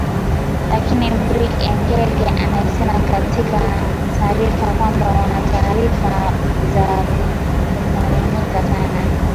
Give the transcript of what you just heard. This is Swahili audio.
Lakini Brig Ekenge amesema katika taarifa kwamba wana taarifa za kuaminika sana